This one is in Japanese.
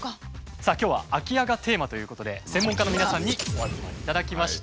さあ今日は「空き家」がテーマということで専門家の皆さんにお集まりいただきました。